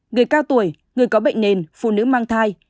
người cao tuổi người có bệnh nền phụ nữ mang thai